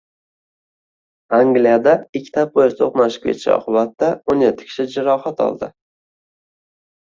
Angliyada ikkita poyezd to‘qnashib ketishi oqibatidao´n yettikishi jarohat oldi